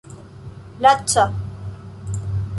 laca